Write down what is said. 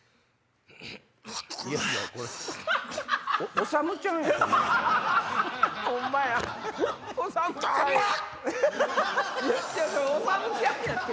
おさむちゃんやて。